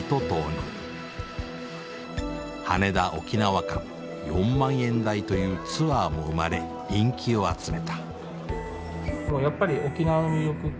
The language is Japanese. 羽田沖縄間４万円台というツアーも生まれ人気を集めた。